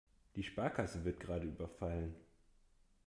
Die Sparkasse wird gerade überfallen.